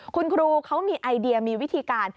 คุณครูเขามีไอเดียมีวิธีการ